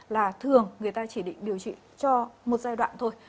là thường người ta chỉ định điều trị cho một giai đoạn thôi